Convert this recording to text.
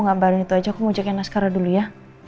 ngambarin itu aja aku mau jagain askarah dulu ya